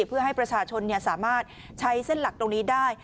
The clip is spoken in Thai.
เพื่อให้ประชาชนสามารถใช้เส้นหลักตรงนี้ได้